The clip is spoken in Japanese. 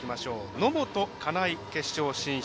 野本、金井、決勝進出。